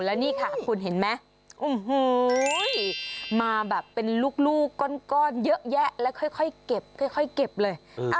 แล้วนี่ค่ะคุณเห็นไหมโอ้โหมาแบบเป็นลูกก้อนเยอะแยะแล้วค่อยเก็บค่อยเก็บเลย